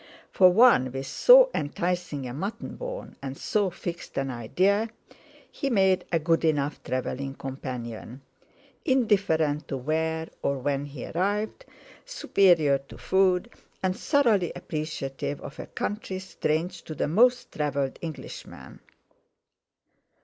For one with so enticing a mutton bone and so fixed an idea, he made a good enough travelling companion, indifferent to where or when he arrived, superior to food, and thoroughly appreciative of a country strange to the most travelled Englishman.